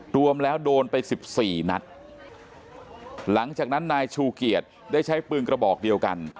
รวมแล้วโดนไปสิบสี่นัดหลังจากนั้นนายชูเกียจได้ใช้ปืนกระบอกเดียวกัน